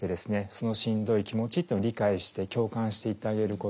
そのしんどい気持ちっていうのを理解して共感していってあげること。